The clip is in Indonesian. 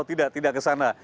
oh tidak tidak ke sana